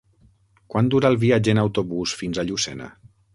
Quant dura el viatge en autobús fins a Llucena?